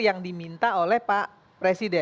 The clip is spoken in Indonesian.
yang diminta oleh pak presiden